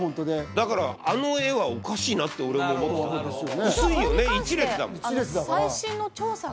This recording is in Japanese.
だからあの絵はおかしいなって俺も思った薄いよね